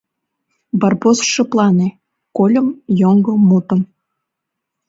— Барбос, шыплане, — кольым йоҥго мутым.